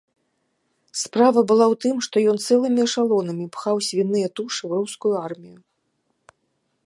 Справа была ў тым, што ён цэлымі эшалонамі пхаў свіныя тушы ў рускую армію.